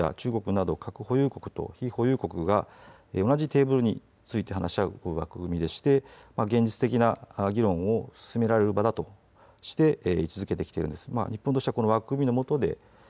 一方でＮＰＴはアメリカやロシア中国など、核保有国と非保有国が同じテーブルについて話し合う枠組みでして現実的な議論を進められる場だとして位置づけできているんです。